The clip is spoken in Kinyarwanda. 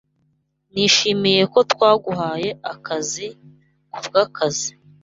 Nishimiye ko twaguhaye akazi kubwakazi.